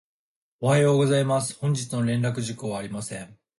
おはようございます。本日の連絡事項はありません。